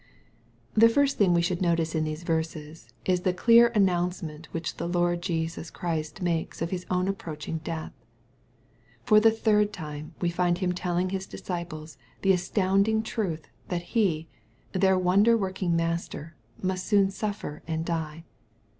MATTHEW, CHAP. XX, 251 The first thing we should notice iu these verses, is the clear announcement which the Lord Jesus Christ makes of His oum approaching death. For the third time we find Him telling His disciples the astounding truth, that He, their wonder working Master, must soon suffer and die.